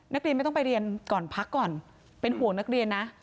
นักเรียนไม่ต้องไปเรียนก่อนพักก่อนเป็นห่วงนักเรียนนะ